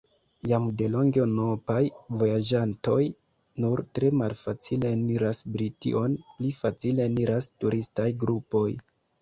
Jam delonge unuopaj vojaĝantoj nur tre malfacile eniras Brition: pli facile eniras turistaj grupoj.